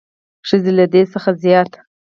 ښځې له دې څخه زیات